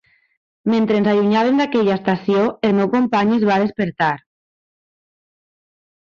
Mentre ens allunyàvem d'aquella estació, el meu company es va despertar.